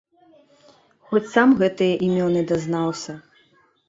Хоць сам гэтыя імёны дазнаўся.